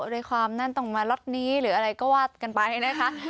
ด้วยความนั้นต้องมาล็อตนี้หรืออะไรก็ว่ากันไปนะคะ